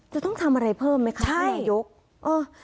จะต้องทำอะไรเพิ่มไหมคะท่านนายโยกเออใช่